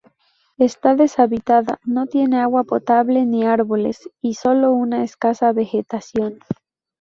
Está deshabitada, no tiene agua potable ni árboles y sólo una escasa vegetación.